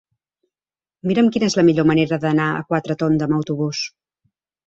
Mira'm quina és la millor manera d'anar a Quatretonda amb autobús.